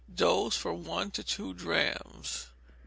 Dose, from one to two drachms.